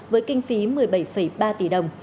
với kinh phí một mươi bảy ba tỷ đồng